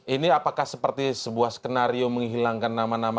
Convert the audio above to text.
ini apakah seperti sebuah skenario menghilangkan nama nama